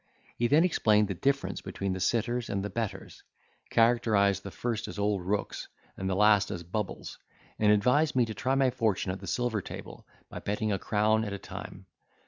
He then explained the difference between the sitters and the bettors; characterised the first as old rooks, and the last as bubbles; and advised me to try my fortune at the silver table, by betting a crown at a time.